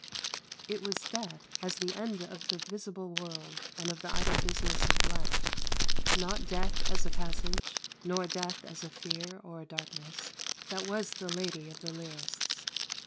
It was death as the end of the visible world and of the idle business of life not death as a passage nor death as a fear or a darkness that was the Lady of the lyrists.